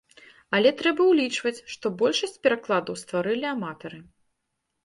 Але трэба ўлічваць, што большасць перакладаў стварылі аматары.